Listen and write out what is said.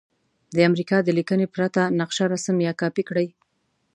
د امریکا د لیکنې پرته نقشه رسم یا کاپې کړئ.